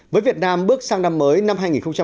với việt nam bước sang năm mới năm hai nghìn một mươi chín